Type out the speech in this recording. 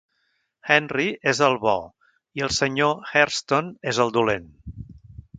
Henry és el bo i el Sr. Hairston és el dolent.